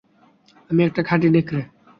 আমি একটা খাঁটি নেকড়ে।